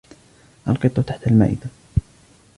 القط تحت المائدة.